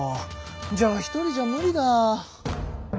じゃあ１人じゃ無理だ。